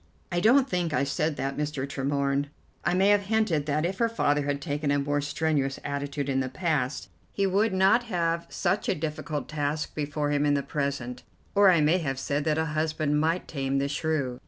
"I don't think I said that, Mr. Tremorne. I may have hinted that if her father had taken a more strenuous attitude in the past, he would not have such a difficult task before him in the present, or I may have said that a husband might tame the shrew.